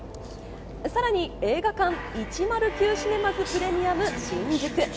さらに映画館１０９シネマズプレミアム新宿。